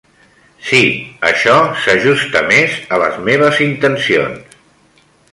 Sí, això s'ajusta més a les meves intencions.